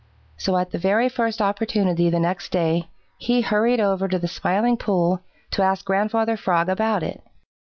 So at the very first opportunity the next day, he hurried over to the Smiling Pool to ask Grandfather Frog about it.